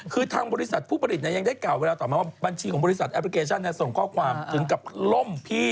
คือทางบริษัทผู้ผลิตยังได้กล่าวเวลาต่อมาว่าบัญชีของบริษัทแอปพลิเคชันส่งข้อความถึงกับล่มพี่